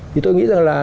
thì tôi nghĩ rằng là